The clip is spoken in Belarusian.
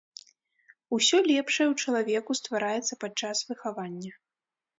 Усё лепшае ў чалавеку ствараецца падчас выхавання.